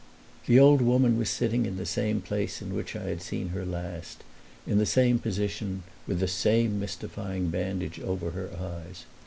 The old woman was sitting in the same place in which I had seen her last, in the same position, with the same mystifying bandage over her eyes.